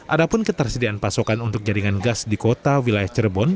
ada pun ketersediaan pasokan untuk jaringan gas di kota wilayah cirebon